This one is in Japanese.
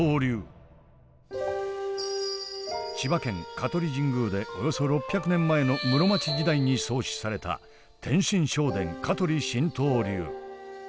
千葉県香取神宮でおよそ６００年前の室町時代に創始された天真正伝香取神道流。